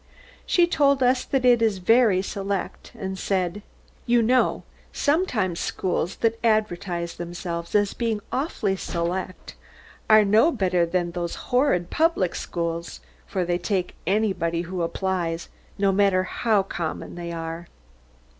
She told us that it is very select, and said, "You know sometimes schools that advertise themselves as being awfully select are no better than those horrid public schools, for they take anybody who applies, no matter how common they are."